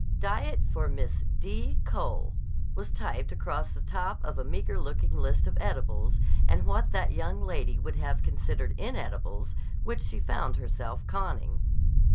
"Diet for Miss D. Cole," was typed across the top of a meager looking list of edibles and what that young lady would have considered inedibles, which she found herself conning.